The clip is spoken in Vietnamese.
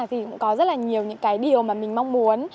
thì cũng có rất là nhiều những cái điều mà mình mong muốn